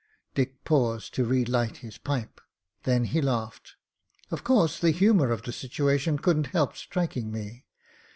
'' Dick paused to relight his pipe, then he laughed. '^Of course, the humour of the situation couldn't help striking me.